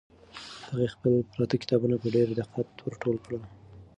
هغې خپل پراته کتابونه په ډېر دقت ور ټول کړل.